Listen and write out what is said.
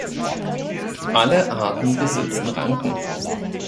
Alle Arten besitzen Ranken.